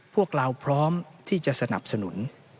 พวกเราพร้อมที่จะสนับสนุน